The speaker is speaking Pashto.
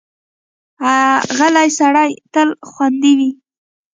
غلی سړی تل خوندي وي.